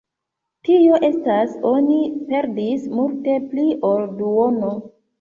Tio estas oni perdis multe pli ol duono.